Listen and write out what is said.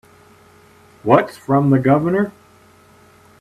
What's from the Governor?